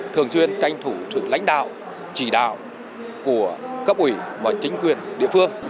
thường xuyên tranh thủ sự lãnh đạo chỉ đạo của cấp ủy và chính quyền địa phương